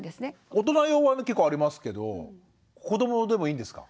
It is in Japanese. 大人用は結構ありますけど子どもでもいいんですか？